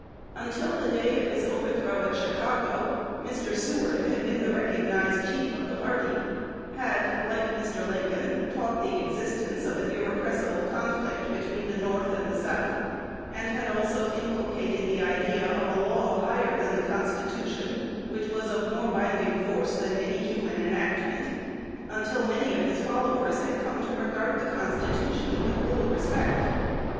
Until the day of his overthrow at Chicago, Mr. Seward had been the recognized chief of the party; had, like Mr. Lincoln, taught the existence of an irrepressible conflict between the North and the South, and had also inculcated the idea of a law higher than the Constitution, which was of more binding force than any human enactment, until many of his followers had come to regard the Constitution with little respect.